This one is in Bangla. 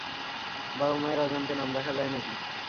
বাবা-মায়ের অজান্তে নাম রাখা যায় নাকি?